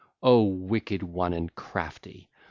O wicked one and crafty!